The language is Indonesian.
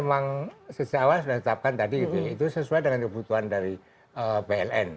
memang sejak awal sudah ditetapkan tadi itu sesuai dengan kebutuhan dari pln